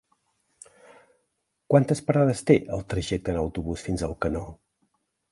Quantes parades té el trajecte en autobús fins a Alcanó?